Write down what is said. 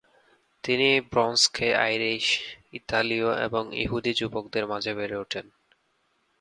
তিনি ব্রনক্সে আইরিশ, ইতালীয় এবং ইহুদি যুবকদের মাঝে বেড়ে ওঠেন।